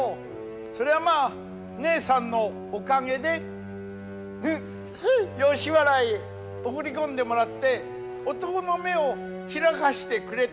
そりゃまあねえさんのおかげでフフ吉原へ送り込んでもらって男の目を開かしてくれた。